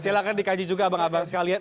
silahkan dikaji juga abang abang sekalian